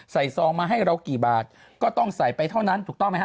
ซองมาให้เรากี่บาทก็ต้องใส่ไปเท่านั้นถูกต้องไหมฮ